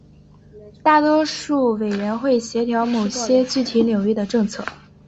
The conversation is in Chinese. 大多数委员会协调某些具体领域的政策。